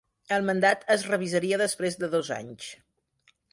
El mandat es revisaria després de dos anys.